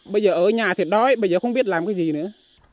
bây giờ ở nhà thiệt đói bây giờ không biết làm cái gì nữa